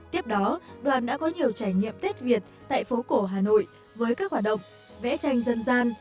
tiếp đó đoàn đã có nhiều trải nghiệm tết việt tại phố cổ hà nội với các hoạt động vẽ tranh dân gian